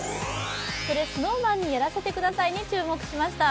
「それＳｎｏｗＭａｎにやらせて下さい」に注目しました。